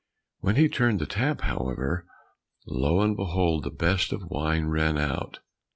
When he turned the tap, however, lo and behold, the best of wine ran out!